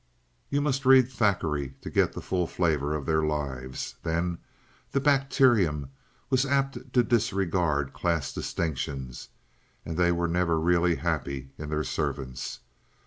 You must read Thackeray to get the full flavor of their lives. Then the bacterium was apt to disregard class distinctions, and they were never really happy in their servants.